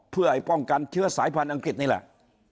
เพื่อป้องกันเชื้อสายพันธุ์อังกฤษนี่แหละ